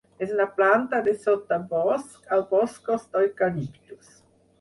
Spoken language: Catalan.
És una planta de sotabosc als boscos d'eucaliptus.